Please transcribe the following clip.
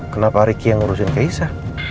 kenapa riki yang urusin kece